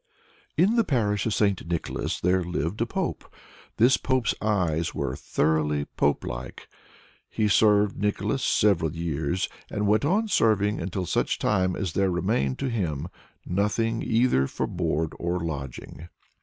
In the parish of St. Nicholas there lived a Pope. This Pope's eyes were thoroughly pope like. He served Nicholas several years, and went on serving until such time as there remained to him nothing either for board or lodging.